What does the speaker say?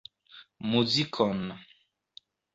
Muzikon.